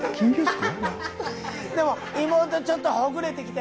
でも妹ちょっとほぐれてきて。